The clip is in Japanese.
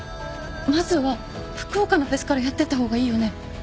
まずは福岡のフェスからやってった方がいいよね？